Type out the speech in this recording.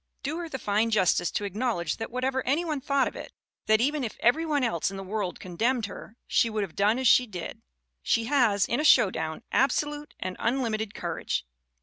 Do her the fine justice to acknowledge that what ever any one thought of it, that even if every one else in the world condemned her, she would have done as she did. She has, in a showdown, absolute and unlimited courage.